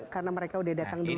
karena mereka sudah datang duluan